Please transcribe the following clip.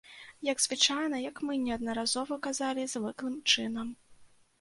Як звычайна, як мы неаднаразова казалі, звыклым чынам.